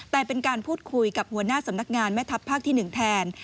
แต่เป็นการพูดคุยกับหัวหน้าสำนักงานแม่ทัพภาคที่๑แทน